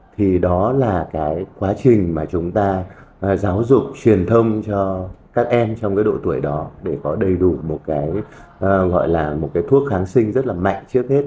thì đó là cái quá trình mà chúng ta giáo dục truyền thông cho các em trong cái độ tuổi đó để có đầy đủ một cái gọi là một cái thuốc kháng sinh rất là mạnh trước hết